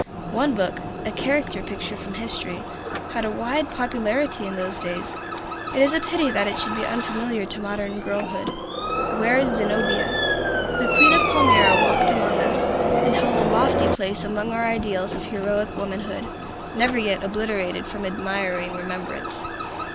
One book, a character picture from history, had a wide popularity in those days. It is a pity that it should be unfamiliar to modern girlhood, Ware's "Zenobia." The Queen of Palmyra walked among us, and held a lofty place among our ideals of heroic womanhood, never yet obliterated from admiring remembrance.